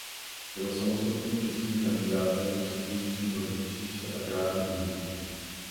Byl samostatným českým kandidátem zastupujícím rodící se agrární hnutí.